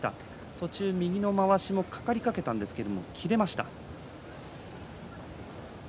途中、右のまわしもかかりかけたんですが切れました。